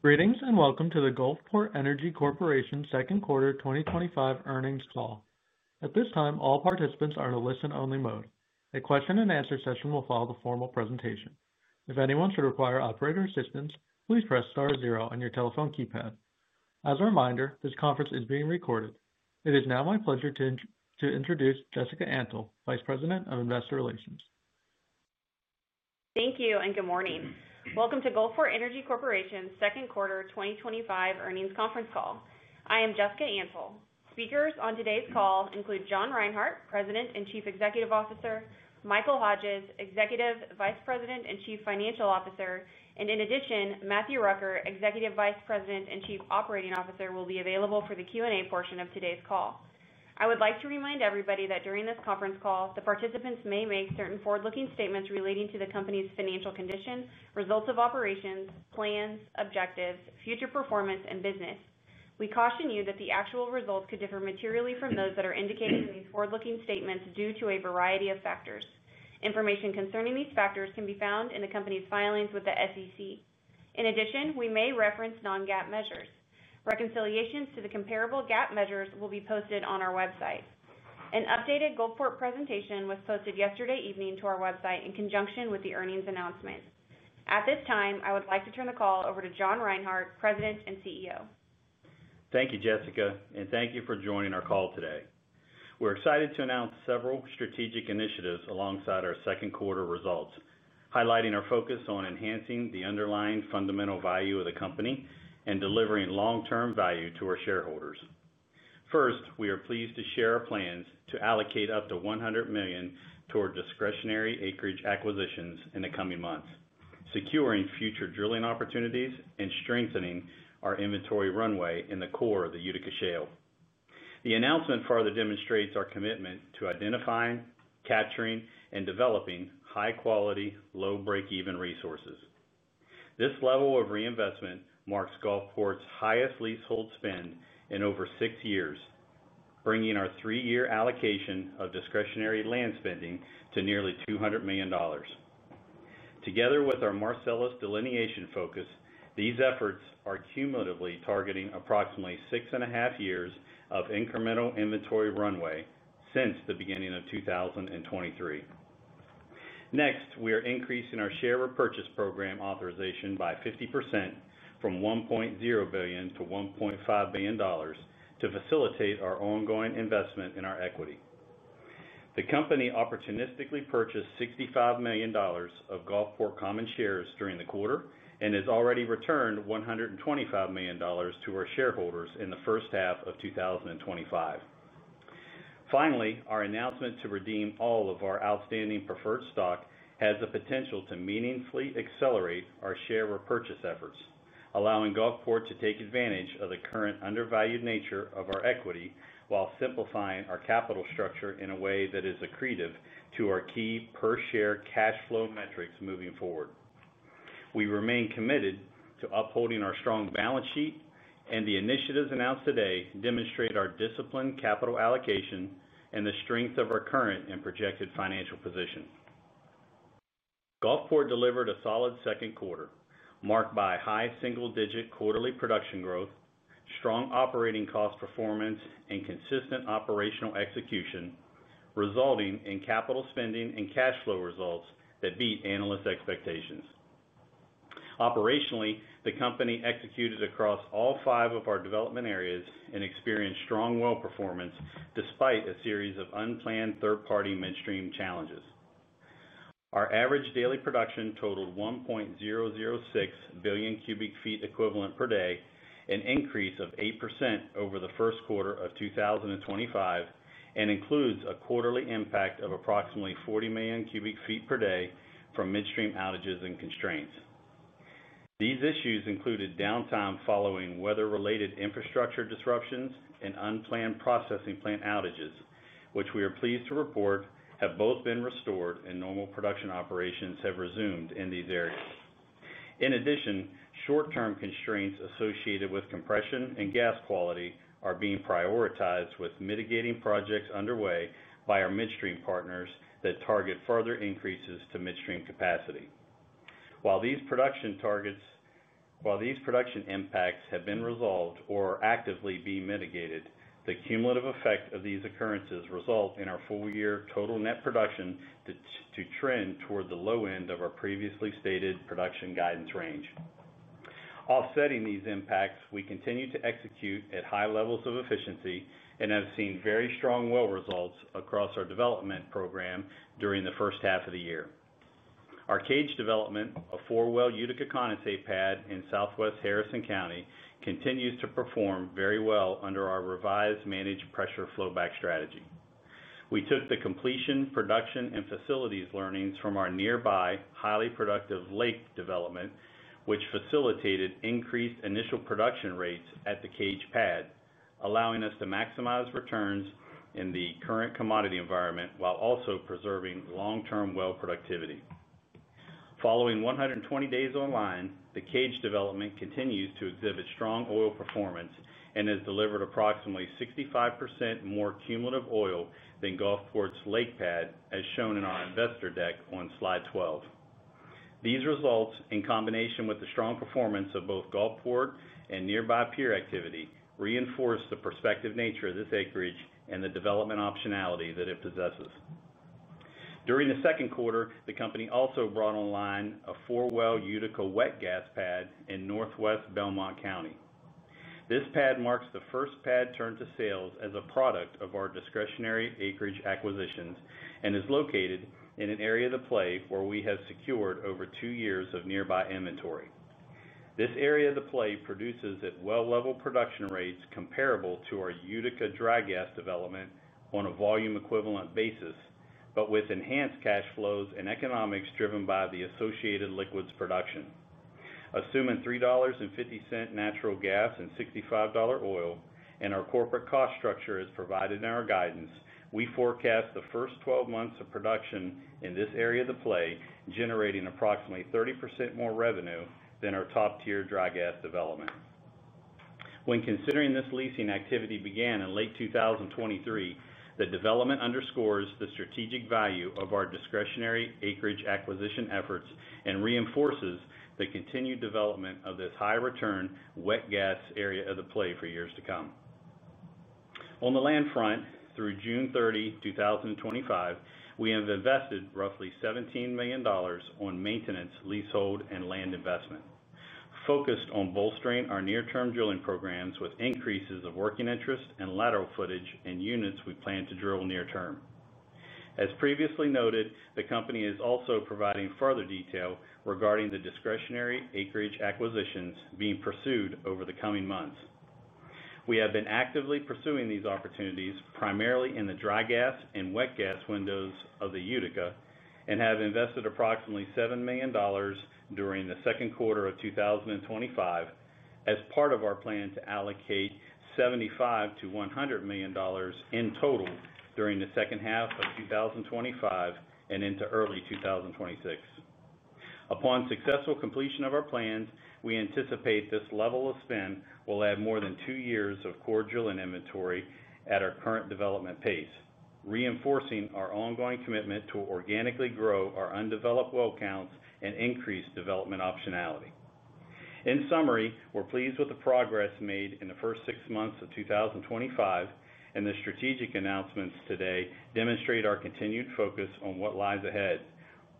Greetings and welcome to the Gulfport Energy Corporation Second Quarter 2025 Earnings Call. At this time, all participants are in a listen-only mode. A question and answer session will follow the formal presentation. If anyone should require operator assistance, please press star zero on your telephone keypad. As a reminder, this conference is being recorded. It is now my pleasure to introduce Jessica Antle, Vice President of Investor Relations. Thank you and good morning. Welcome to Gulfport Energy Corporation's Second Quarter 2025 Earnings Conference Call. I am Jessica Antle. Speakers on today's call include John Reinhart, President and Chief Executive Officer, Michael Hodges, Executive Vice President and Chief Financial Officer, and in addition, Matthew Rucker, Executive Vice President and Chief Operating Officer, will be available for the Q&A portion of today's call. I would like to remind everybody that during this conference call, the participants may make certain forward-looking statements relating to the company's financial condition, results of operations, plans, objectives, future performance, and business. We caution you that the actual results could differ materially from those that are indicated in these forward-looking statements due to a variety of factors. Information concerning these factors can be found in the company's filings with the SEC. In addition, we may reference non-GAAP measures. Reconciliations to the comparable GAAP measures will be posted on our website. An updated Gulfport presentation was posted yesterday evening to our website in conjunction with the earnings announcement. At this time, I would like to turn the call over to John Reinhart, President and CEO. Thank you, Jessica, and thank you for joining our call today. We're excited to announce several strategic initiatives alongside our second quarter results, highlighting our focus on enhancing the underlying fundamental value of the company and delivering long-term value to our shareholders. First, we are pleased to share our plans to allocate up to $100 million toward discretionary acreage acquisitions in the coming months, securing future drilling opportunities and strengthening our inventory runway in the core of the Utica Shale. The announcement further demonstrates our commitment to identifying, capturing, and developing high-quality, low-break-even resources. This level of reinvestment marks Gulfport's highest leasehold spend in over six years, bringing our three-year allocation of discretionary land spending to nearly $200 million. Together with our Marcellus delineation focus, these efforts are cumulatively targeting approximately six and a half years of incremental inventory runway since the beginning of 2023. Next, we are increasing our share repurchase program authorization by 50% from $1.0 billion to $1.5 billion to facilitate our ongoing investment in our equity. The company opportunistically purchased $65 million of Gulfport common shares during the quarter and has already returned $125 million to our shareholders in the first half of 2025. Finally, our announcement to redeem all of our outstanding preferred stock has the potential to meaningfully accelerate our share repurchase efforts, allowing Gulfport to take advantage of the current undervalued nature of our equity while simplifying our capital structure in a way that is accretive to our key per-share cash flow metrics moving forward. We remain committed to upholding our strong balance sheet, and the initiatives announced today demonstrate our disciplined capital allocation and the strength of our current and projected financial position. Gulfport delivered a solid second quarter, marked by high single-digit quarterly production growth, strong operating cost performance, and consistent operational execution, resulting in capital spending and cash flow results that beat analysts' expectations. Operationally, the company executed across all five of our development areas and experienced strong well performance despite a series of unplanned third-party midstream challenges. Our average daily production totaled 1.006 billion cubic ft equivalent per day, an increase of 8% over the first quarter of 2025, and includes a quarterly impact of approximately 40 million cubic ft per day from midstream outages and constraints. These issues included downtime following weather-related infrastructure disruptions and unplanned processing plant outages, which we are pleased to report have both been restored and normal production operations have resumed in these areas. In addition, short-term constraints associated with compression and gas quality are being prioritized with mitigating projects underway by our midstream partners that target further increases to midstream capacity. While these production impacts have been resolved or are actively being mitigated, the cumulative effect of these occurrences results in our full-year total net production to trend toward the low end of our previously stated production guidance range. Offsetting these impacts, we continue to execute at high levels of efficiency and have seen very strong well results across our development program during the first half of the year. Our cage development of four-well Utica condensate pad in southwest Harrison County continues to perform very well under our revised managed pressure flowback strategy. We took the completion, production, and facilities learnings from our nearby highly productive lake development, which facilitated increased initial production rates at the cage pad, allowing us to maximize returns in the current commodity environment while also preserving long-term well productivity. Following 120 days online, the cage development continues to exhibit strong oil performance and has delivered approximately 65% more cumulative oil than Gulfport's lake pad, as shown in our investor deck on slide 12. These results, in combination with the strong performance of both Gulfport and nearby peer activity, reinforce the prospective nature of this acreage and the development optionality that it possesses. During the second quarter, the company also brought online a four-well Utica wet gas pad in northwest Belmont County. This pad marks the first pad turned to sales as a product of our discretionary acreage acquisitions and is located in an area of the play where we have secured over two years of nearby inventory. This area of the play produces at well-level production rates comparable to our Utica dry gas development on a volume-equivalent basis, but with enhanced cash flows and economics driven by the associated liquids production. Assuming $3.50 natural gas and $65 oil, and our corporate cost structure as provided in our guidance, we forecast the first 12 months of production in this area of the play generating approximately 30% more revenue than our top-tier dry gas development. When considering this leasing activity began in late 2023, the development underscores the strategic value of our discretionary acreage acquisition efforts and reinforces the continued development of this high-return wet gas area of the play for years to come. On the land front, through June 30, 2025, we have invested roughly $17 million on maintenance, leasehold, and land investment, focused on bolstering our near-term drilling programs with increases of working interest and lateral footage and units we plan to drill near term. As previously noted, the company is also providing further detail regarding the discretionary acreage acquisitions being pursued over the coming months. We have been actively pursuing these opportunities, primarily in the dry gas and wet gas windows of the Utica, and have invested approximately $7 million during the second quarter of 2025 as part of our plan to allocate $75 million-$100 million in total during the second half of 2025 and into early 2026. Upon successful completion of our plans, we anticipate this level of spend will add more than two years of core drilling inventory at our current development pace, reinforcing our ongoing commitment to organically grow our undeveloped well counts and increase development optionality. In summary, we're pleased with the progress made in the first six months of 2025, and the strategic announcements today demonstrate our continued focus on what lies ahead.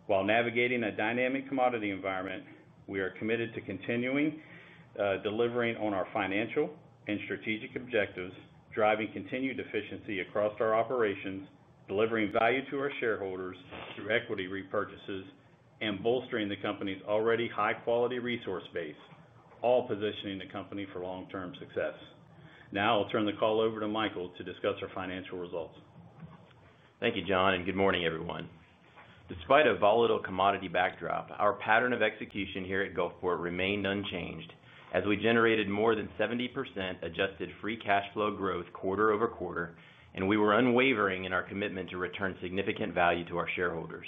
While navigating a dynamic commodity environment, we are committed to continuing delivering on our financial and strategic objectives, driving continued efficiency across our operations, delivering value to our shareholders through equity repurchases, and bolstering the company's already high-quality resource base, all positioning the company for long-term success. Now I'll turn the call over to Michael to discuss our financial results. Thank you, John, and good morning, everyone. Despite a volatile commodity backdrop, our pattern of execution here at Gulfport remained unchanged as we generated more than 70% adjusted free cash flow growth quarter-over-quarter, and we were unwavering in our commitment to return significant value to our shareholders.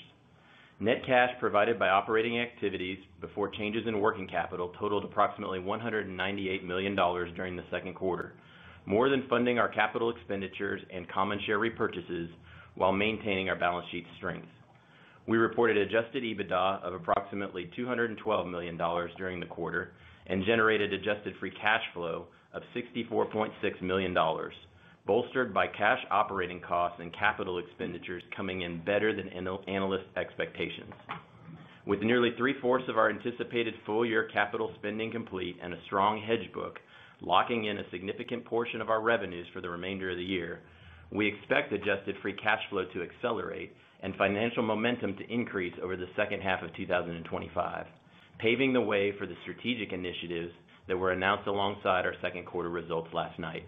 Net cash provided by operating activities before changes in working capital totaled approximately $198 million during the second quarter, more than funding our capital expenditures and common share repurchases while maintaining our balance sheet strength. We reported adjusted EBITDA of approximately $212 million during the quarter and generated adjusted free cash flow of $64.6 million, bolstered by cash operating costs and capital expenditures coming in better than analysts' expectations. With nearly 3/4 of our anticipated full-year capital spending complete and a strong hedge book locking in a significant portion of our revenues for the remainder of the year, we expect adjusted free cash flow to accelerate and financial momentum to increase over the second half of 2025, paving the way for the strategic initiatives that were announced alongside our second quarter results last night.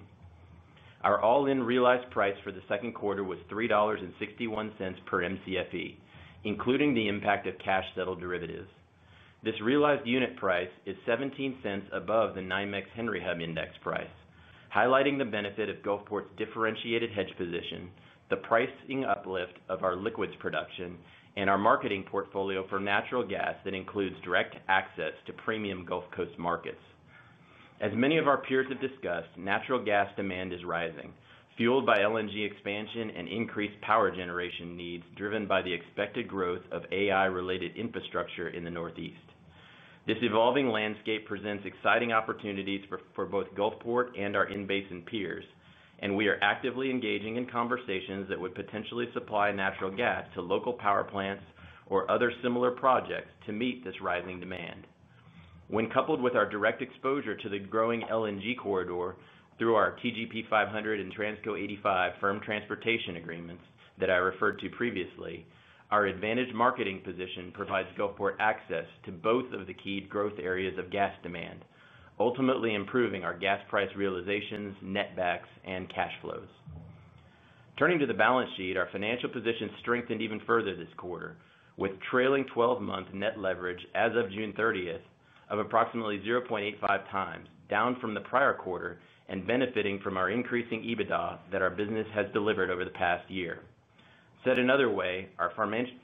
Our all-in realized price for the second quarter was $3.61 per MCFE, including the impact of cash settled derivatives. This realized unit price is $0.17 above the NYMEX Henry Hub Index price, highlighting the benefit of Gulfport's differentiated hedge position, the pricing uplift of our liquids production, and our marketing portfolio for natural gas that includes direct access to premium Gulf Coast markets. As many of our peers have discussed, natural gas demand is rising, fueled by LNG expansion and increased power generation needs driven by the expected growth of AI-related infrastructure in the Northeast. This evolving landscape presents exciting opportunities for both Gulfport and our in-basin peers, and we are actively engaging in conversations that would potentially supply natural gas to local power plants or other similar projects to meet this rising demand. When coupled with our direct exposure to the growing LNG corridor through our TGP 500 and Transco 85 firm transportation agreements that I referred to previously, our advantaged marketing position provides Gulfport access to both of the key growth areas of gas demand, ultimately improving our gas price realizations, net Bcfe, and cash flows. Turning to the balance sheet, our financial position strengthened even further this quarter, with trailing 12-month net leverage as of June 30th of approximately 0.85x, down from the prior quarter and benefiting from our increasing EBITDA that our business has delivered over the past year. Said another way, our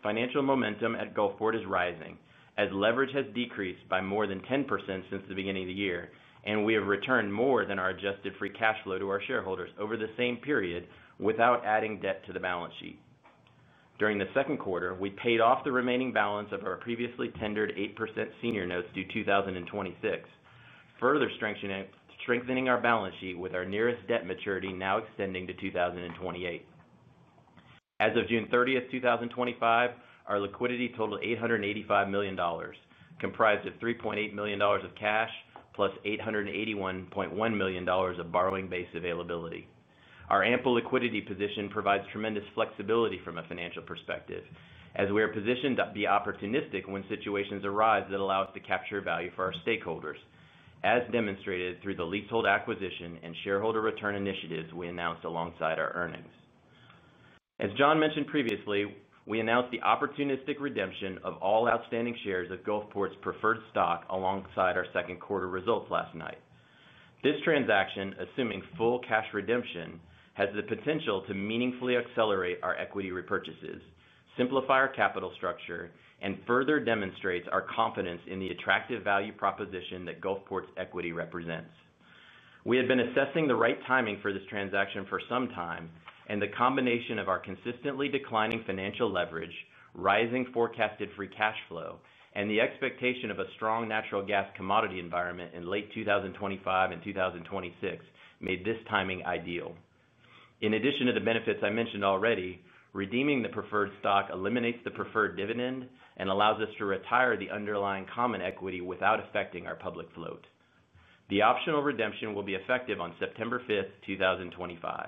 financial momentum at Gulfport is rising as leverage has decreased by more than 10% since the beginning of the year, and we have returned more than our adjusted free cash flow to our shareholders over the same period without adding debt to the balance sheet. During the second quarter, we paid off the remaining balance of our previously tendered 8% senior notes due 2026, further strengthening our balance sheet with our nearest debt maturity now extending to 2028. As of June 30, 2025, our liquidity totaled $885 million, comprised of $3.8 million of cash plus $881.1 million of borrowing base availability. Our ample liquidity position provides tremendous flexibility from a financial perspective, as we are positioned to be opportunistic when situations arise that allow us to capture value for our stakeholders, as demonstrated through the leasehold acquisition and shareholder return initiatives we announced alongside our earnings. As John mentioned previously, we announced the opportunistic redemption of all outstanding shares of Gulfport's preferred stock alongside our second quarter results last night. This transaction, assuming full cash redemption, has the potential to meaningfully accelerate our equity repurchases, simplify our capital structure, and further demonstrate our confidence in the attractive value proposition that Gulfport's equity represents. We had been assessing the right timing for this transaction for some time, and the combination of our consistently declining financial leverage, rising forecasted free cash flow, and the expectation of a strong natural gas commodity environment in late 2025 and 2026 made this timing ideal. In addition to the benefits I mentioned already, redeeming the preferred stock eliminates the preferred dividend and allows us to retire the underlying common equity without affecting our public float. The optional redemption will be effective on September 5th, 2025.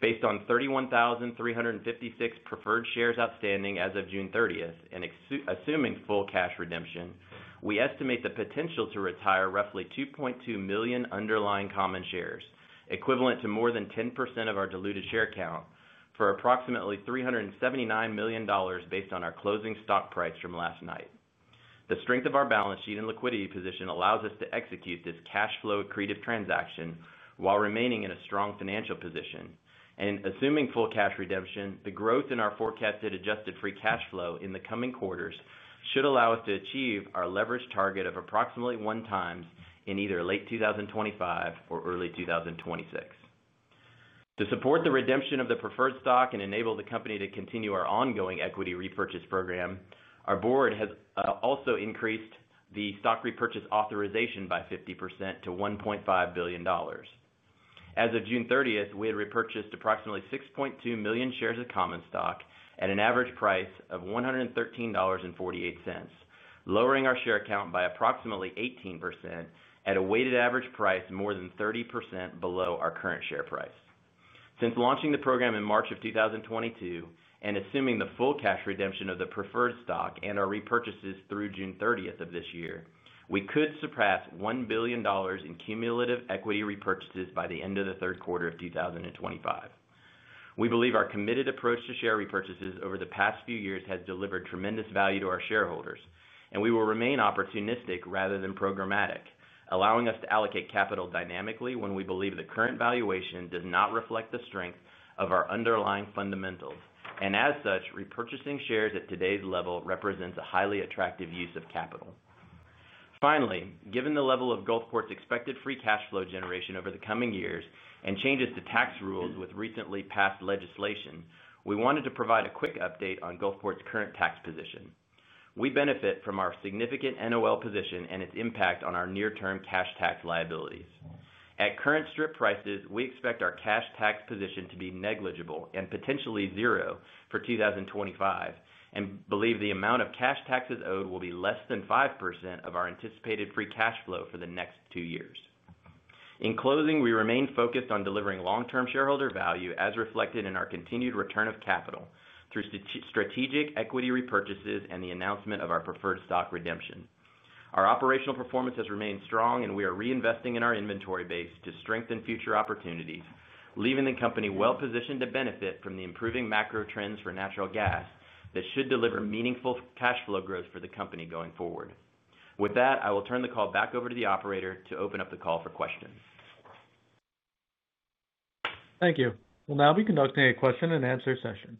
Based on 31,356 preferred shares outstanding as of June 30 and assuming full cash redemption, we estimate the potential to retire roughly 2.2 million underlying common shares, equivalent to more than 10% of our diluted share count, for approximately $379 million based on our closing stock price from last night. The strength of our balance sheet and liquidity position allows us to execute this cash flow accretive transaction while remaining in a strong financial position. Assuming full cash redemption, the growth in our forecasted adjusted free cash flow in the coming quarters should allow us to achieve our leverage target of approximately 1x in either late 2025 or early 2026. To support the redemption of the preferred stock and enable the company to continue our ongoing equity repurchase program, our board has also increased the stock repurchase authorization by 50% to $1.5 billion. As of June 30, we had repurchased approximately 6.2 million shares of common stock at an average price of $113.48, lowering our share count by approximately 18% at a weighted average price more than 30% below our current share price. Since launching the program in March of 2022 and assuming the full cash redemption of the preferred stock and our repurchases through June 30 of this year, we could surpass $1 billion in cumulative equity repurchases by the end of the third quarter of 2025. We believe our committed approach to share repurchases over the past few years has delivered tremendous value to our shareholders, and we will remain opportunistic rather than programmatic, allowing us to allocate capital dynamically when we believe the current valuation does not reflect the strength of our underlying fundamentals. As such, repurchasing shares at today's level represents a highly attractive use of capital. Finally, given the level of Gulfport's expected free cash flow generation over the coming years and changes to tax rules with recently passed legislation, we wanted to provide a quick update on Gulfport's current tax position. We benefit from our significant NOL position and its impact on our near-term cash tax liabilities. At current strip prices, we expect our cash tax position to be negligible and potentially zero for 2025 and believe the amount of cash taxes owed will be less than 5% of our anticipated free cash flow for the next two years. In closing, we remain focused on delivering long-term shareholder value as reflected in our continued return of capital through strategic equity repurchases and the announcement of our preferred stock redemption. Our operational performance has remained strong, and we are reinvesting in our inventory base to strengthen future opportunities, leaving the company well-positioned to benefit from the improving macro trends for natural gas that should deliver meaningful cash flow growth for the company going forward. With that, I will turn the call back over to the operator to open up the call for questions. Thank you. We'll now be conducting a question-and-answer session.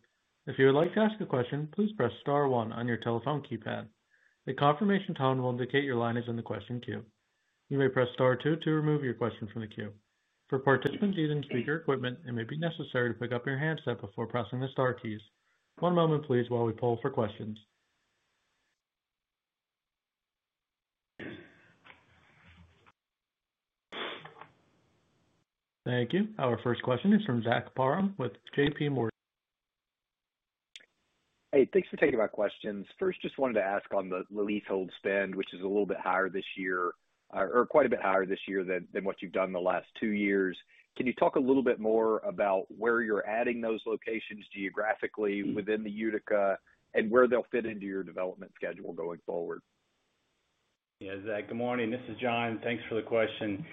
If you would like to ask a question, please press star one on your telephone keypad. The confirmation tone will indicate your line is in the question queue. You may press star two to remove your question from the queue. For participant need and speaker equipment, it may be necessary to pick up your handset before pressing the star keys. One moment, please, while we poll for questions. Thank you. Our first question is from Zach Parham with JPMorgan. Hey, thanks for taking my questions. First, just wanted to ask on the leasehold spend, which is a little bit higher this year, or quite a bit higher this year than what you've done the last two years. Can you talk a little bit more about where you're adding those locations geographically within the Utica and where they'll fit into your development schedule going forward? Yeah, Zach, good morning. This is John. Thanks for the question.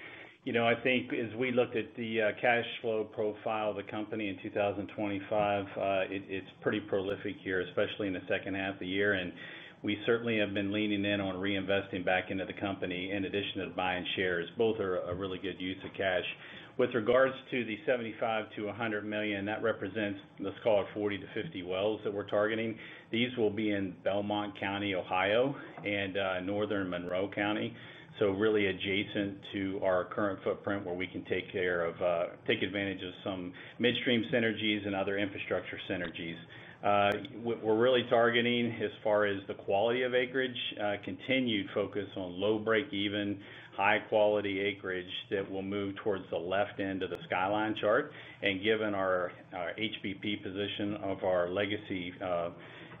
I think as we looked at the cash flow profile of the company in 2025, it's pretty prolific here, especially in the second half of the year. We certainly have been leaning in on reinvesting back into the company in addition to buying shares. Both are a really good use of cash. With regards to the $75 million-$100 million, that represents, let's call it 40-50 wells that we're targeting. These will be in Belmont County, Ohio, and northern Monroe County. Really adjacent to our current footprint where we can take advantage of some midstream synergies and other infrastructure synergies. We're really targeting, as far as the quality of acreage, continued focus on low break-even, high-quality acreage that will move towards the left end of the skyline chart. Given our HBP position of our legacy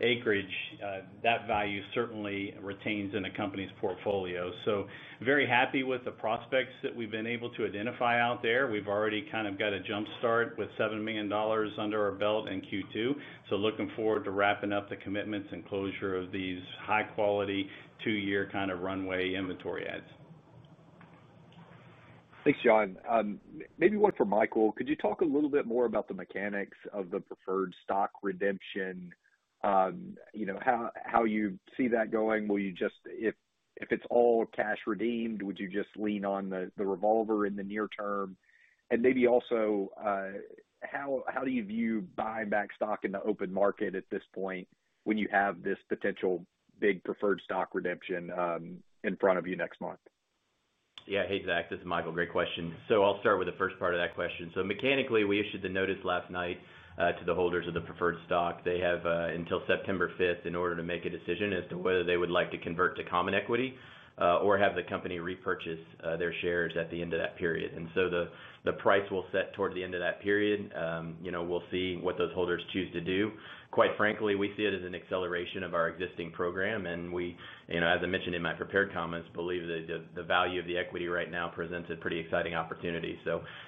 acreage, that value certainly retains in the company's portfolio. Very happy with the prospects that we've been able to identify out there. We've already got a jump start with $7 million under our belt in Q2. Looking forward to wrapping up the commitments and closure of these high-quality two-year kind of runway inventory adds. Thanks, John. Maybe one for Michael. Could you talk a little bit more about the mechanics of the preferred stock redemption? You know, how you see that going? Will you just, if it's all cash redeemed, would you just lean on the revolver in the near term? Maybe also, how do you view buying back stock in the open market at this point when you have this potential big preferred stock redemption in front of you next month? Yeah, hey Zach, this is Michael. Great question. I'll start with the first part of that question. Mechanically, we issued the notice last night to the holders of the preferred stock. They have until September 5th in order to make a decision as to whether they would like to convert to common equity or have the company repurchase their shares at the end of that period. The price will set toward the end of that period. We'll see what those holders choose to do. Quite frankly, we see it as an acceleration of our existing program. As I mentioned in my prepared comments, we believe that the value of the equity right now presents a pretty exciting opportunity.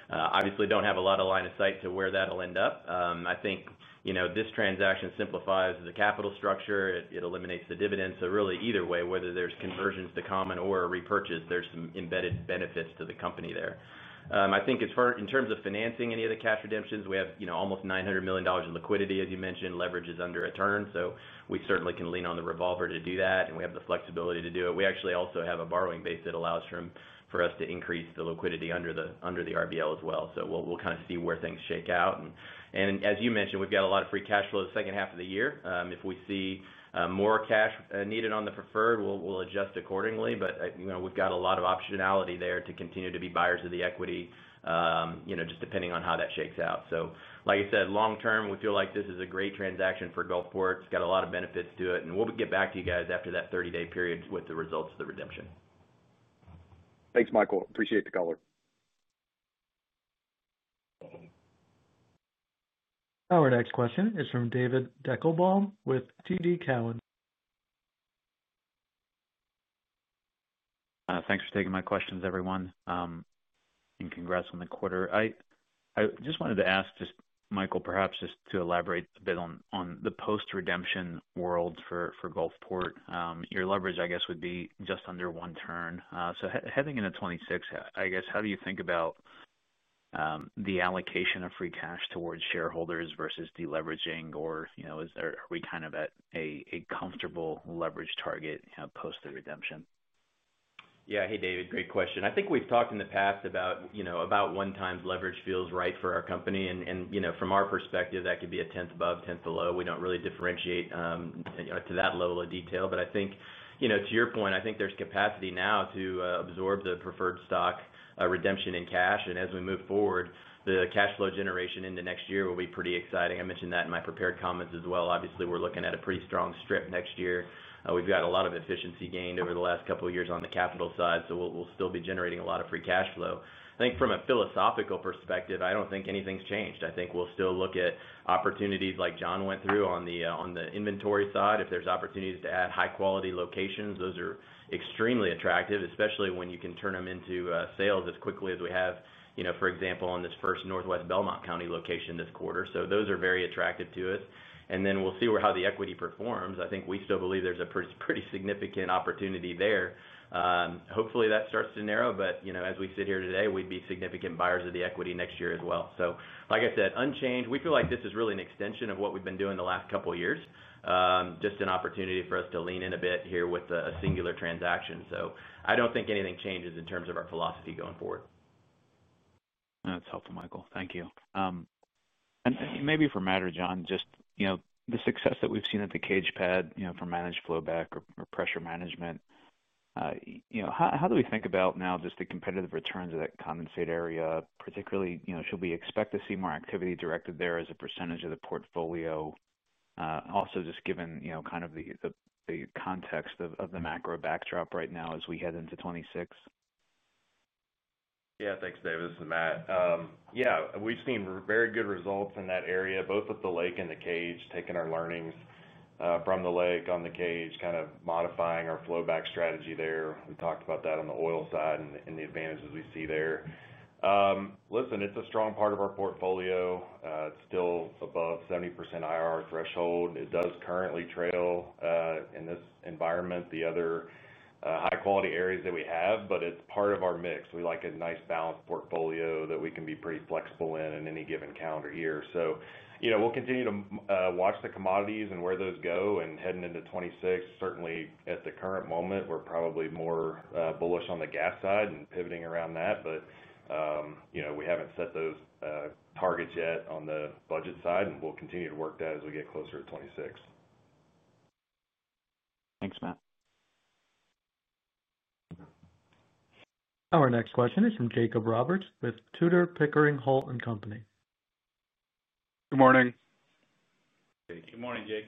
Obviously, we don't have a lot of line of sight to where that'll end up. I think this transaction simplifies the capital structure. It eliminates the dividend. Really, either way, whether there's conversions to common or a repurchase, there's some embedded benefits to the company there. I think in terms of financing any of the cash redemptions, we have almost $900 million in liquidity, as you mentioned, leverage is under a turn. We certainly can lean on the revolver to do that, and we have the flexibility to do it. We actually also have a borrowing base that allows for us to increase the liquidity under the RBL as well. We'll kind of see where things shake out. As you mentioned, we've got a lot of free cash flow the second half of the year. If we see more cash needed on the preferred, we'll adjust accordingly. We've got a lot of optionality there to continue to be buyers of the equity, just depending on how that shakes out. Like I said, long term, we feel like this is a great transaction for Gulfport. It's got a lot of benefits to it. We'll get back to you guys after that 30-day period with the results of the redemption. Thanks, Michael. Appreciate the call. Our next question is from David Deckelbaum with TD Cowen. Thanks for taking my questions, everyone. Congrats on the quarter. I just wanted to ask, Michael, perhaps to elaborate a bit on the post-redemption world for Gulfport. Your leverage, I guess, would be just under 1x. Heading into 2026, I guess, how do you think about the allocation of free cash towards shareholders versus deleveraging? Are we kind of at a comfortable leverage target post the redemption? Yeah, hey David, great question. I think we've talked in the past about, you know, about 1x leverage feels right for our company. From our perspective, that could be 1/10, 1/10 below. We don't really differentiate to that level of detail. I think, to your point, there's capacity now to absorb the preferred stock redemption in cash. As we move forward, the cash flow generation into next year will be pretty exciting. I mentioned that in my prepared comments as well. Obviously, we're looking at a pretty strong strip next year. We've got a lot of efficiency gained over the last couple of years on the capital side. We'll still be generating a lot of free cash flow. I think from a philosophical perspective, I don't think anything's changed. We'll still look at opportunities like John went through on the inventory side. If there's opportunities to add high-quality locations, those are extremely attractive, especially when you can turn them into sales as quickly as we have, for example, on this first northwest Belmont County location this quarter. Those are very attractive to us. We'll see how the equity performs. I think we still believe there's a pretty significant opportunity there. Hopefully, that starts to narrow. As we sit here today, we'd be significant buyers of the equity next year as well. Like I said, unchanged. We feel like this is really an extension of what we've been doing the last couple of years, just an opportunity for us to lean in a bit here with a singular transaction. I don't think anything changes in terms of our philosophy going forward. That's helpful, Michael. Thank you. Maybe for a matter, John, just the success that we've seen at the cage pad for managed flowback or pressure management, how do we think about now just the competitive returns of that condensate area, particularly, should we expect to see more activity directed there as a percentage of the portfolio? Also, just given the context of the macro backdrop right now as we head into 2026? Yeah, thanks, David. This is Matt. Yeah, we've seen very good results in that area, both at the lake and the cage, taking our learnings from the lake on the cage, kind of modifying our flowback strategy there. We talked about that on the oil side and the advantages we see there. Listen, it's a strong part of our portfolio. It's still above 70% IRR threshold. It does currently trail in this environment, the other high-quality areas that we have, but it's part of our mix. We like a nice balanced portfolio that we can be pretty flexible in in any given calendar year. You know, we'll continue to watch the commodities and where those go. Heading into 2026, certainly at the current moment, we're probably more bullish on the gas side and pivoting around that. You know, we haven't set those targets yet on the budget side, and we'll continue to work that as we get closer to 2026. Thanks, Matt. Our next question is from Jacob Roberts with Tudor Pickering Holt & Company. Good morning. Good morning, Jake.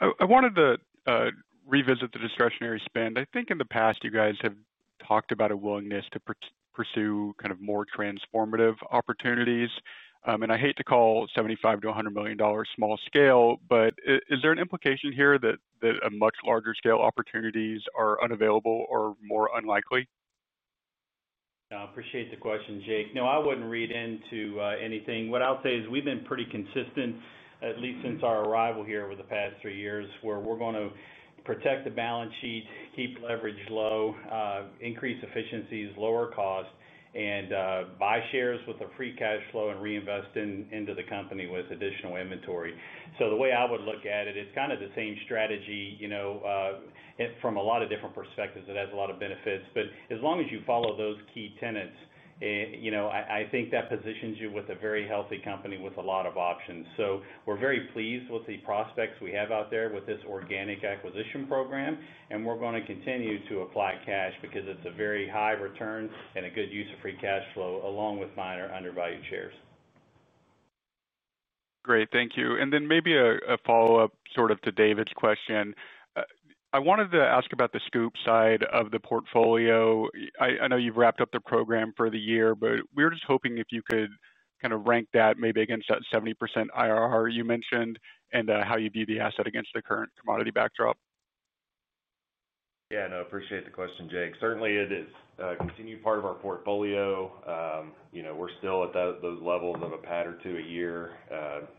I wanted to revisit the discretionary spend. I think in the past, you guys have talked about a willingness to pursue kind of more transformative opportunities. I hate to call $75 million-$100 million small scale, but is there an implication here that much larger scale opportunities are unavailable or more unlikely? I appreciate the question, Jake. No, I wouldn't read into anything. What I'll say is we've been pretty consistent, at least since our arrival here over the past three years, where we're going to protect the balance sheet, keep leverage low, increase efficiencies, lower costs, and buy shares with free cash flow and reinvest into the company with additional inventory. The way I would look at it, it's kind of the same strategy from a lot of different perspectives. It has a lot of benefits. As long as you follow those key tenets, I think that positions you with a very healthy company with a lot of options. We're very pleased with the prospects we have out there with this organic acquisition program. We're going to continue to apply cash because it's a very high return and a good use of free cash flow along with minor undervalued shares. Great, thank you. Maybe a follow-up sort of to David's question. I wanted to ask about the scope side of the portfolio. I know you've wrapped up the program for the year, but we were just hoping if you could kind of rank that maybe against that 70% IRR you mentioned and how you view the asset against the current commodity backdrop. Yeah, no, I appreciate the question, Jake. Certainly, it is a continued part of our portfolio. We're still at those levels of a pad or two a year.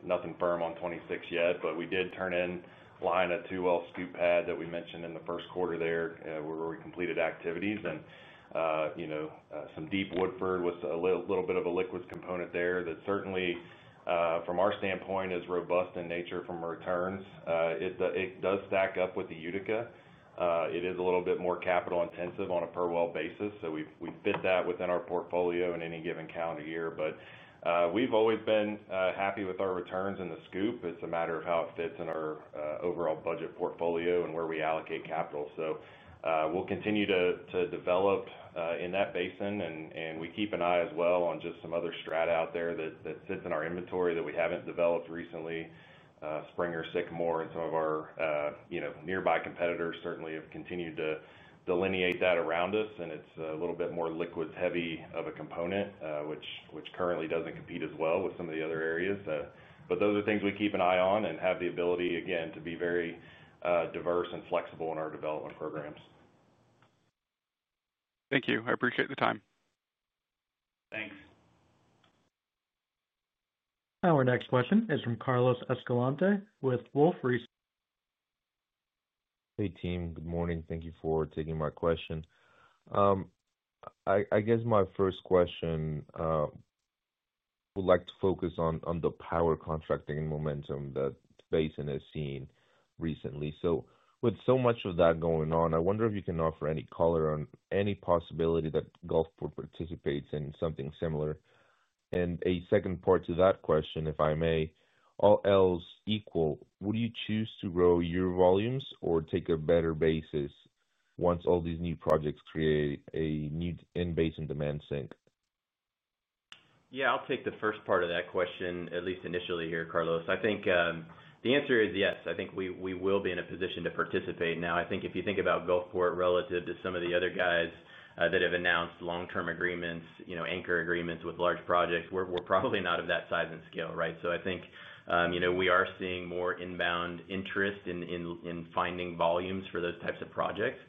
Nothing firm on 2026 yet, but we did turn in line a 212 Scoop pad that we mentioned in the first quarter where we completed activities. Some deep Woodford with a little bit of a liquids component there that certainly, from our standpoint, is robust in nature from returns. It does stack up with the Utica. It is a little bit more capital intensive on a per-well basis. We've bid that within our portfolio in any given calendar year. We've always been happy with our returns in the Scoop. It's a matter of how it fits in our overall budget portfolio and where we allocate capital. We will continue to develop in that basin. We keep an eye as well on just some other strat out there that sits in our inventory that we haven't developed recently. Springer, Sycamore, and some of our nearby competitors certainly have continued to delineate that around us. It's a little bit more liquids heavy of a component, which currently doesn't compete as well with some of the other areas. Those are things we keep an eye on and have the ability, again, to be very diverse and flexible in our development programs. Thank you. I appreciate the time. Thanks. Our next question is from Carlos Escalante with Wolfe Research. Hey team, good morning. Thank you for taking my question. I guess my first question would like to focus on the power contracting and momentum that the basin has seen recently. With so much of that going on, I wonder if you can offer any color on any possibility that Gulfport participates in something similar. A second part to that question, if I may, all else equal, would you choose to grow your volumes or take a better basis once all these new projects create a new in-base and demand sync? Yeah, I'll take the first part of that question, at least initially here, Carlos. I think the answer is yes. I think we will be in a position to participate. Now, I think if you think about Gulfport relative to some of the other guys that have announced long-term agreements, you know, anchor agreements with large projects, we're probably not of that size and scale, right? I think we are seeing more inbound interest in finding volumes for those types of projects.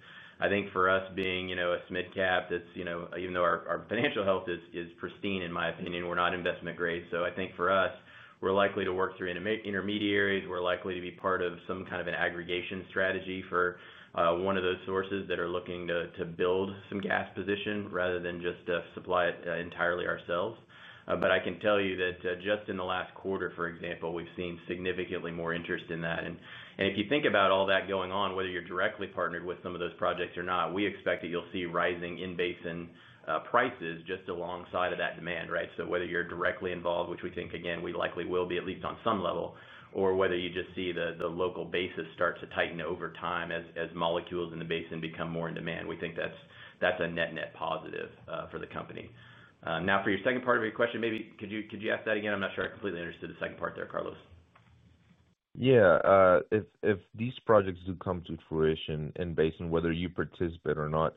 I think for us being, you know, a smidge cap, that's, you know, even though our financial health is pristine, in my opinion, we're not investment grade. I think for us, we're likely to work through intermediaries. We're likely to be part of some kind of an aggregation strategy for one of those sources that are looking to build some gas position rather than just supply it entirely ourselves. I can tell you that just in the last quarter, for example, we've seen significantly more interest in that. If you think about all that going on, whether you're directly partnered with some of those projects or not, we expect that you'll see rising in-base prices just alongside of that demand, right? Whether you're directly involved, which we think, again, we likely will be at least on some level, or whether you just see the local basis start to tighten over time as molecules in the basin become more in demand, we think that's a net-net positive for the company. Now, for your second part of your question, maybe could you ask that again? I'm not sure I completely understood the second part there, Carlos. If these projects do come to fruition in basin, whether you participate or not,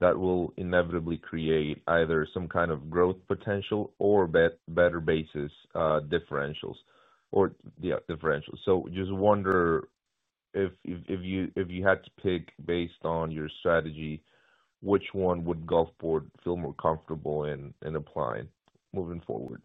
that will inevitably create either some kind of growth potential or better basis differentials. I just wonder if you had to pick based on your strategy, which one would Gulfport feel more comfortable in applying moving forward?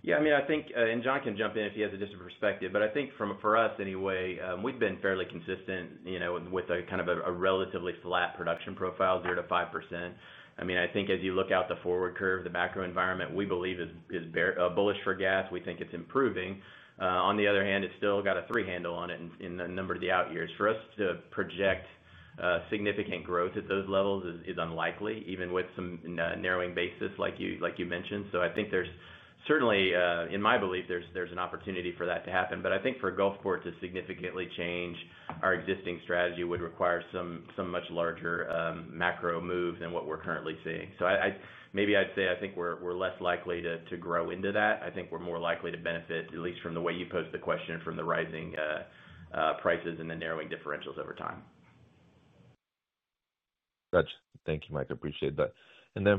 Yeah, I mean, I think, and John can jump in if he has a different perspective, but I think for us anyway, we've been fairly consistent, you know, with a kind of a relatively flat production profile, 0%-5%. I mean, I think as you look out the forward curve, the macro environment we believe is bullish for gas. We think it's improving. On the other hand, it's still got a three-handle on it in a number of the out years. For us to project significant growth at those levels is unlikely, even with some narrowing basis, like you mentioned. I think there's certainly, in my belief, there's an opportunity for that to happen. I think for Gulfport to significantly change our existing strategy would require some much larger macro moves than what we're currently seeing. Maybe I'd say I think we're less likely to grow into that. I think we're more likely to benefit, at least from the way you posed the question, from the rising prices and the narrowing differentials over time. Gotcha. Thank you, Mike. I appreciate that.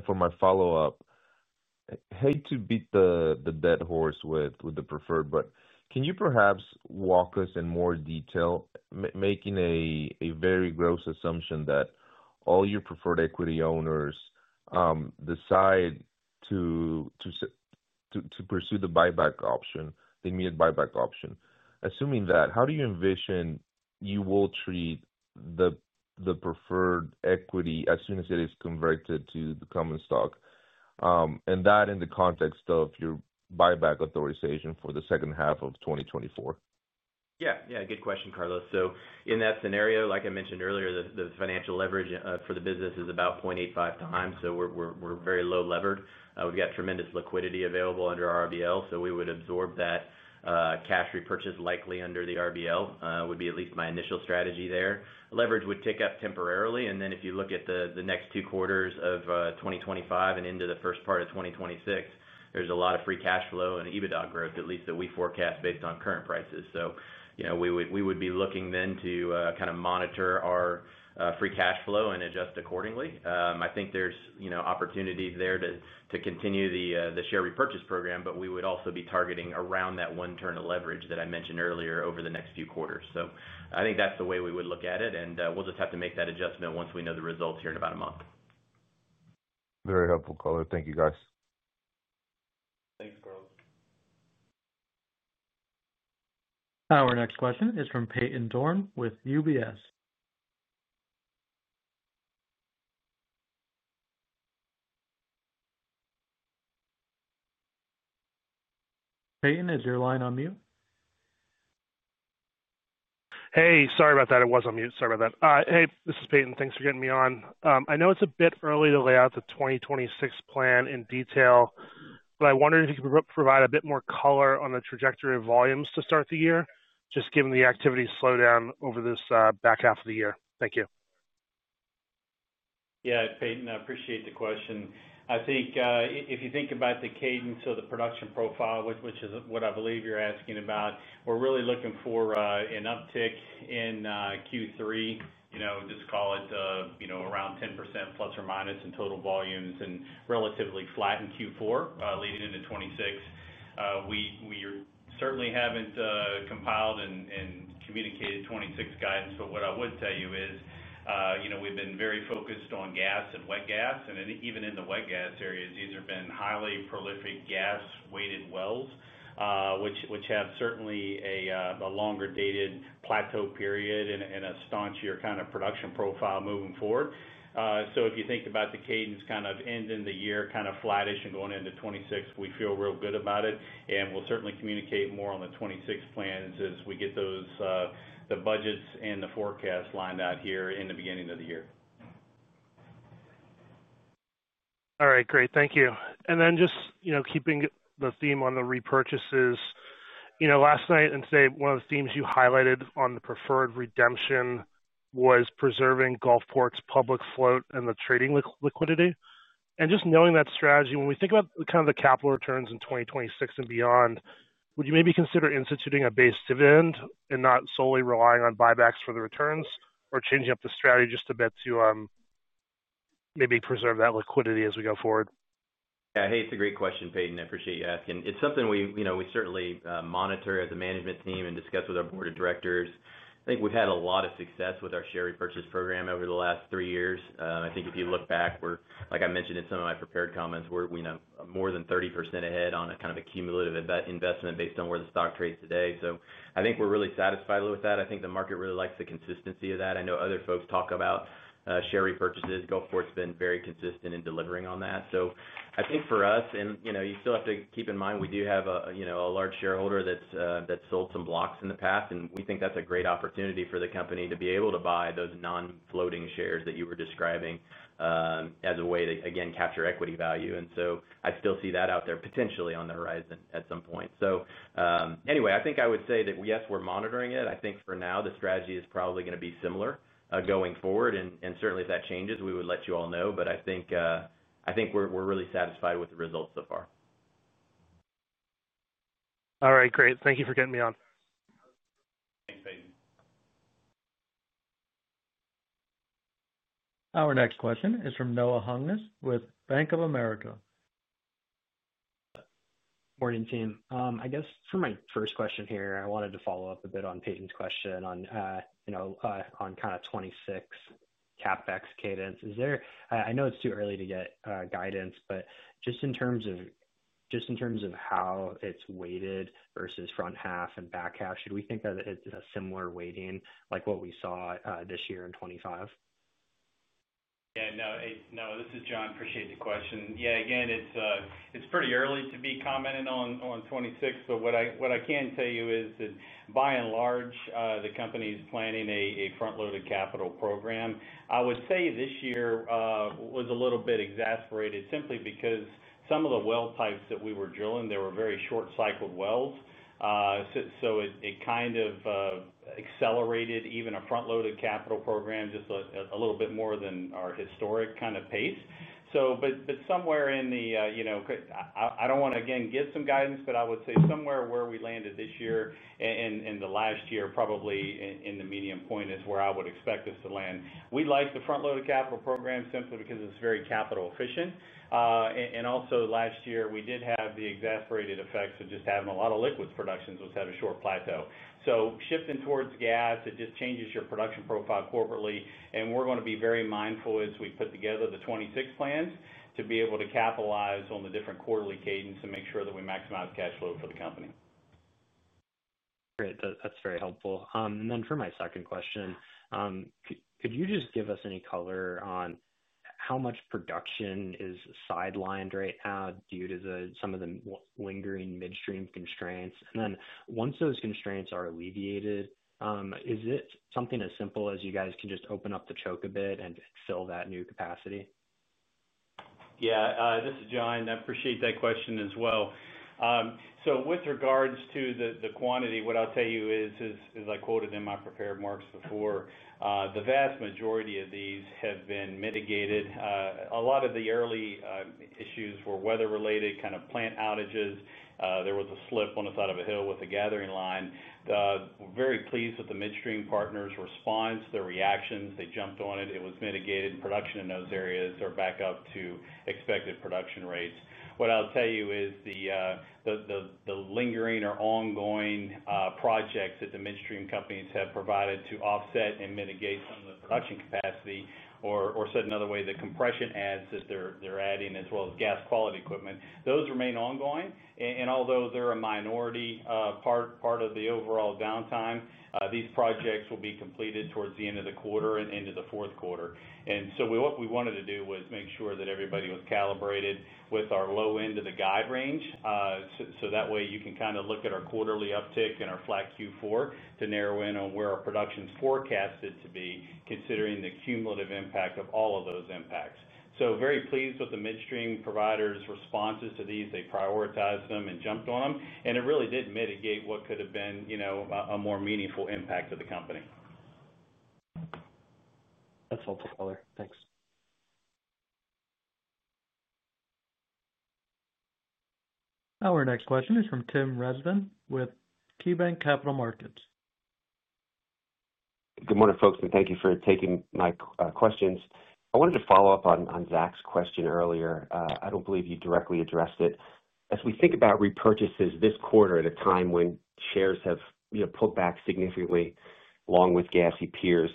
For my follow-up, I hate to beat the dead horse with the preferred, but can you perhaps walk us in more detail, making a very gross assumption that all your preferred equity owners decide to pursue the buyback option, the immediate buyback option? Assuming that, how do you envision you will treat the preferred equity as soon as it is converted to the common stock? That in the context of your buyback authorization for the second half of 2024. Yeah, good question, Carlos. In that scenario, like I mentioned earlier, the financial leverage for the business is about 0.85x. We're very low levered. We've got tremendous liquidity available under our RBL. We would absorb that cash repurchase likely under the RBL, would be at least my initial strategy there. Leverage would tick up temporarily. If you look at the next two quarters of 2025 and into the first part of 2026, there's a lot of free cash flow and EBITDA growth, at least that we forecast based on current prices. We would be looking then to kind of monitor our free cash flow and adjust accordingly. I think there's opportunity there to continue the share repurchase program, but we would also be targeting around that 1x of leverage that I mentioned earlier over the next few quarters. I think that's the way we would look at it. We'll just have to make that adjustment once we know the results here in about a month. Very helpful, Color. Thank you, guys. Thanks, Carlos. Our next question is from Peyton Dorne with UBS. Peyton, is your line on mute? Sorry about that. It was on mute. Sorry about that. This is Peyton. Thanks for getting me on. I know it's a bit early to lay out the 2026 plan in detail, but I wonder if you could provide a bit more color on the trajectory of volumes to start the year, just given the activity slowdown over this back half of the year. Thank you. Yeah, Peyton, I appreciate the question. I think if you think about the cadence of the production profile, which is what I believe you're asking about, we're really looking for an uptick in Q3, just call it around 10%± in total volumes and relatively flat in Q4, leading into 2026. We certainly haven't compiled and communicated 2026 guidance, but what I would tell you is we've been very focused on gas and wet gas, and even in the wet gas areas, these have been highly prolific gas-weighted wells, which have certainly a longer dated plateau period and a staunchier kind of production profile moving forward. If you think about the cadence kind of ending the year kind of flattish and going into 2026, we feel real good about it. We'll certainly communicate more on the 2026 plans as we get those, the budgets and the forecast lined out here in the beginning of the year. All right, great. Thank you. Just keeping the theme on the repurchases, last night and today, one of the themes you highlighted on the preferred redemption was preserving Gulfport's public float and the trading liquidity. Knowing that strategy, when we think about the capital returns in 2026 and beyond, would you maybe consider instituting a base dividend and not solely relying on buybacks for the returns or changing up the strategy just a bit to maybe preserve that liquidity as we go forward? Yeah, hey, it's a great question, Peyton. I appreciate you asking. It's something we certainly monitor as a management team and discuss with our Board of Directors. I think we've had a lot of success with our share repurchase program over the last three years. I think if you look back, like I mentioned in some of my prepared comments, we're more than 30% ahead on a kind of a cumulative investment based on where the stock trades today. I think we're really satisfied with that. I think the market really likes the consistency of that. I know other folks talk about share repurchases. Gulfport's been very consistent in delivering on that. For us, you still have to keep in mind we do have a large shareholder that's sold some blocks in the past. We think that's a great opportunity for the company to be able to buy those non-floating shares that you were describing as a way to, again, capture equity value. I still see that out there potentially on the horizon at some point. I would say that yes, we're monitoring it. I think for now, the strategy is probably going to be similar going forward. Certainly, if that changes, we would let you all know. I think we're really satisfied with the results so far. All right, great. Thank you for getting me on. Thanks, Peyton. Our next question is from Noah Hungness with Bank of America. Morning, team. I guess for my first question here, I wanted to follow up a bit on Peyton's question on, you know, on kind of '26 CapEx cadence. Is there, I know it's too early to get guidance, but just in terms of, just in terms of how it's weighted versus front half and back half, should we think of it as a similar weighting like what we saw this year in 2025? Yeah, no, this is John. Appreciate the question. Yeah, again, it's pretty early to be commenting on 2026, but what I can tell you is that by and large, the company is planning a front-loaded capital program. I would say this year was a little bit exacerbated simply because some of the well types that we were drilling, they were very short-cycled wells. It kind of accelerated even a front-loaded capital program just a little bit more than our historic kind of pace. Somewhere in the, you know, I don't want to again give some guidance, but I would say somewhere where we landed this year and in the last year, probably in the median point is where I would expect us to land. We like the front-loaded capital program simply because it's very capital efficient. Also, last year, we did have the exacerbated effects of just having a lot of liquids production, which had a short plateau. Shifting towards gas, it just changes your production profile corporately. We're going to be very mindful as we put together the 2026 plans to be able to capitalize on the different quarterly cadence and make sure that we maximize cash flow for the company. Great, that's very helpful. For my second question, could you just give us any color on how much production is sidelined right now due to some of the lingering midstream constraints? Once those constraints are alleviated, is it something as simple as you guys can just open up the choke a bit and fill that new capacity? Yeah, this is John. I appreciate that question as well. With regards to the quantity, what I'll tell you is, as I quoted in my prepared marks before, the vast majority of these have been mitigated. A lot of the early issues were weather-related, kind of plant outages. There was a slip on the side of a hill with a gathering line. We're very pleased with the midstream partners' response, their reactions. They jumped on it. It was mitigated in production in those areas. They're back up to expected production rates. What I'll tell you is the lingering or ongoing projects that the midstream companies have provided to offset and mitigate some of the production capacity, or said another way, the compression adds that they're adding, as well as gas quality equipment, those remain ongoing. Although they're a minority part of the overall downtime, these projects will be completed towards the end of the quarter and into the fourth quarter. What we wanted to do was make sure that everybody was calibrated with our low end of the guide range. That way you can kind of look at our quarterly uptick and our flat Q4 to narrow in on where our production's forecasted to be, considering the cumulative impact of all of those impacts. Very pleased with the midstream providers' responses to these. They prioritized them and jumped on them. It really did mitigate what could have been, you know, a more meaningful impact to the company. That's helpful, Color. Thanks. Our next question is from Tim Rezvan with KeyBanc Capital Markets. Good morning, folks, and thank you for taking my questions. I wanted to follow up on Zach's question earlier. I don't believe you directly addressed it. As we think about repurchases this quarter at a time when shares have, you know, pulled back significantly, along with gassy peers,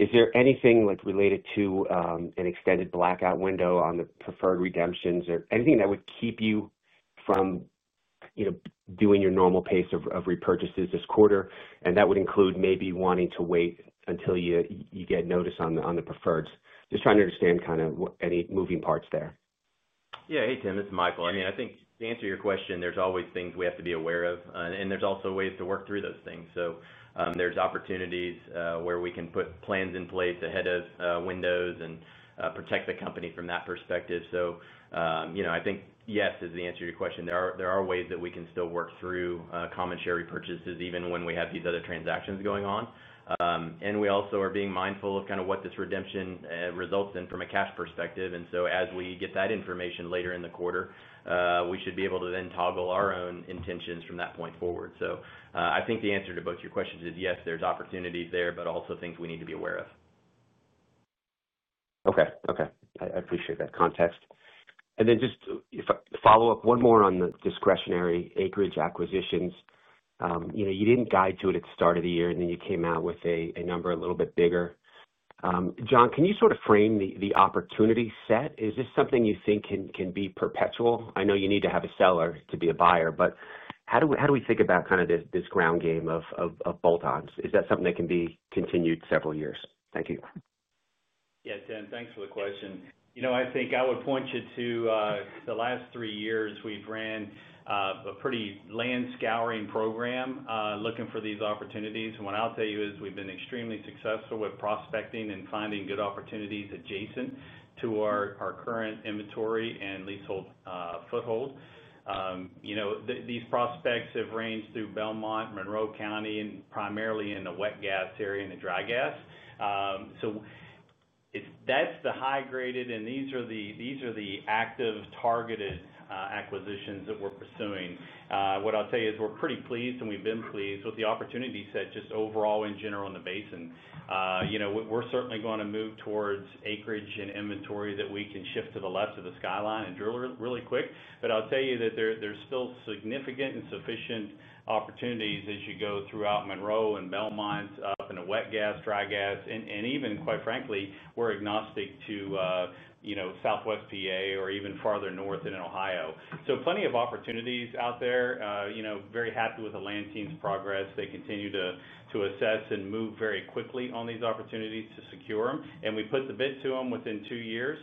is there anything like related to an extended blackout window on the preferred redemptions or anything that would keep you from doing your normal pace of repurchases this quarter? That would include maybe wanting to wait until you get notice on the preferreds. Just trying to understand kind of any moving parts there. Yeah, hey Tim, it's Michael. I think to answer your question, there's always things we have to be aware of, and there's also ways to work through those things. There's opportunities where we can put plans in place ahead of windows and protect the company from that perspective. I think yes, as the answer to your question, there are ways that we can still work through common share repurchases even when we have these other transactions going on. We also are being mindful of what this redemption results in from a cash perspective. As we get that information later in the quarter, we should be able to then toggle our own intentions from that point forward. I think the answer to both your questions is yes, there's opportunities there, but also things we need to be aware of. Okay. I appreciate that context. Just to follow up one more on the discretionary acreage acquisitions, you know, you didn't guide to it at the start of the year, and then you came out with a number a little bit bigger. John, can you sort of frame the opportunity set? Is this something you think can be perpetual? I know you need to have a seller to be a buyer, but how do we think about kind of this ground game of bolt-ons? Is that something that can be continued several years? Thank you. Yeah, Tim, thanks for the question. I think I would point you to the last three years we've ran a pretty land-scouring program looking for these opportunities. What I'll tell you is we've been extremely successful with prospecting and finding good opportunities adjacent to our current inventory and leasehold foothold. These prospects have ranged through Belmont County, Monroe County, and primarily in the wet gas area and the dry gas. That's the high-graded, and these are the active targeted acquisitions that we're pursuing. What I'll tell you is we're pretty pleased, and we've been pleased with the opportunity set just overall in general in the basin. We're certainly going to move towards acreage and inventory that we can shift to the left of the skyline and drill really quick. I'll tell you that there's still significant and sufficient opportunities as you go throughout Monroe and Belmont, up in the wet gas, dry gas, and even quite frankly, we're agnostic to Southwest PA or even farther north in Ohio. Plenty of opportunities out there. Very happy with the land team's progress. They continue to assess and move very quickly on these opportunities to secure them. We put the bids to them within two years,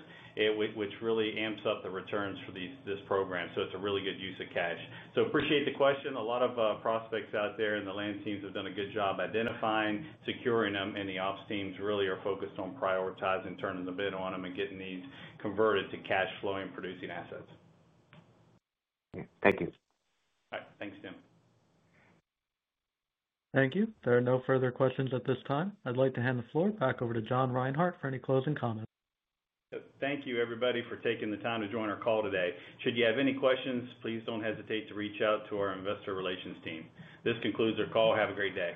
which really amps up the returns for this program. It's a really good use of cash. Appreciate the question. A lot of prospects out there and the land teams have done a good job identifying, securing them, and the ops teams really are focused on prioritizing, turning the bid on them, and getting these converted to cash flowing producing assets. Thank you. All right, thanks, Tim. Thank you. There are no further questions at this time. I'd like to hand the floor back over to John Reinhart for any closing comments. Thank you, everybody, for taking the time to join our call today. Should you have any questions, please don't hesitate to reach out to our investor relations team. This concludes our call. Have a great day.